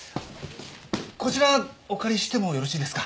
こちらお借りしてもよろしいですか？